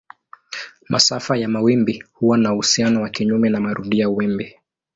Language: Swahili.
Masafa ya mawimbi huwa na uhusiano wa kinyume na marudio ya wimbi.